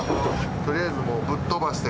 とりあえずもうぶっとばして。